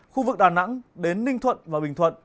khu vực đà nẵng đến ninh thuận và bình thuận